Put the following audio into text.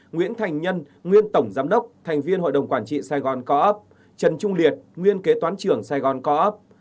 nguyễn thành nhân nguyên tổng giám đốc thành viên hội đồng quản trị saigon co op trần trung liệt nguyên kế toán trưởng saigon co op